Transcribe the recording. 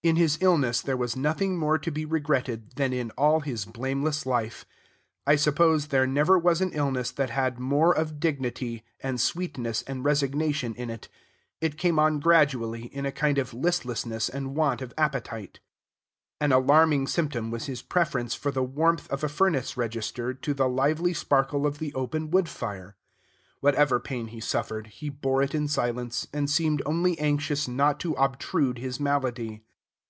In his illness there was nothing more to be regretted than in all his blameless life. I suppose there never was an illness that had more of dignity, and sweetness and resignation in it. It came on gradually, in a kind of listlessness and want of appetite. An alarming symptom was his preference for the warmth of a furnace register to the lively sparkle of the open woodfire. Whatever pain he suffered, he bore it in silence, and seemed only anxious not to obtrude his malady.